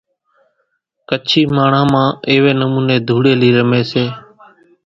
ڪڇي ماڻۿان مان ايوي نموني ڌوڙيلي رمي سي۔